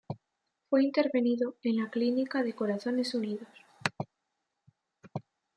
Fue intervenido en la clínica Corazones Unidos.